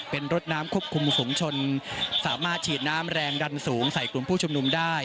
เป็นรถน้ำควบคุมฝุงชนสามารถฉีดน้ำแรงดันสูงใส่กลุ่มผู้ชุมนุมได้